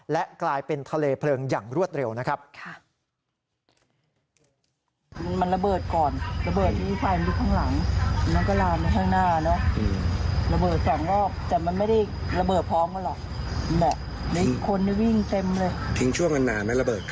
และกลายเป็นทะเลเพลิงอย่างรวดเร็วนะครับ